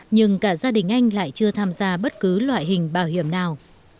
nhưng cả gia đình anh lại chưa tham gia bất cứ loại hình bảo hiểm nào